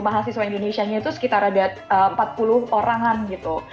mahasiswa indonesianya itu sekitar ada empat puluh orang an gitu